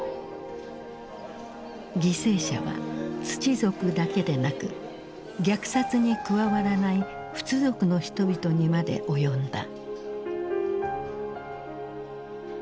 犠牲者はツチ族だけでなく虐殺に加わらないフツ族の人々にまで及んだ。